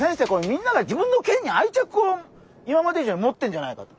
みんなが自分の県に愛着を今まで以上に持ってんじゃないかと。